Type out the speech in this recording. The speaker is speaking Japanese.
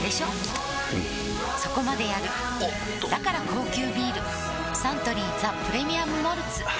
うんそこまでやるおっとだから高級ビールサントリー「ザ・プレミアム・モルツ」